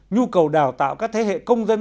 nhu cầu đào tạo các thế hệ công dân